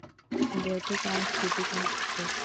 Vatican City মানচিত্র